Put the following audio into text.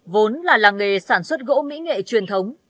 vốn là làng nghề sản xuất gỗ mỹ nghệ truyền thống